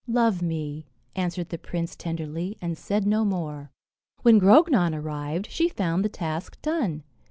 "Love me!" answered the prince, tenderly, and said no more. When Grognon arrived, she found the task done.